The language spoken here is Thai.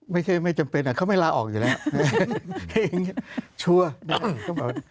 ไม่ใช่ไม่จำเป็นเขาไม่ลาออกอยู่แล้วแบบนี้ชัวร์